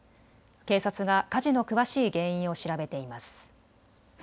警察が火事の詳しい原因を調べています。